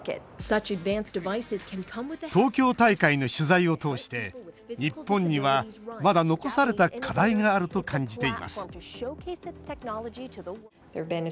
東京大会の取材を通して日本には、まだ残された課題があると感じています